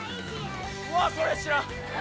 うわそれ知らん。